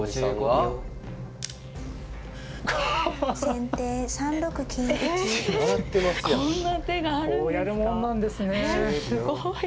えすごい。